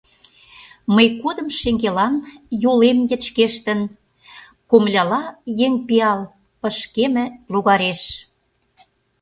Мый кодым шеҥгелан, «йолем йычкештын», Комыляла еҥ пиал пышкеме логареш.